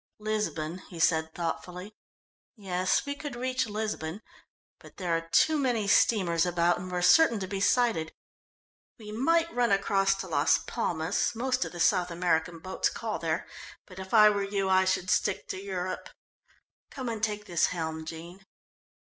"Lisbon," he said thoughtfully. "Yes, we could reach Lisbon, but there are too many steamers about and we're certain to be sighted. We might run across to Las Palmas, most of the South American boats call there, but if I were you I should stick to Europe. Come and take this helm, Jean."